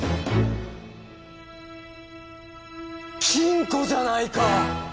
金庫じゃないか！